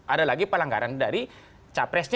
ada lagi pelanggaran dari capresnya